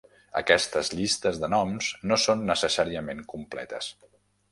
Aquestes llistes de noms no són necessàriament completes.